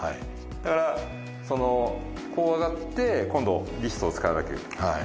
だからこう上がって今度リストを使わなきゃいけない。